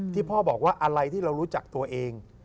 พ่อบอกว่าอะไรที่เรารู้จักตัวเอง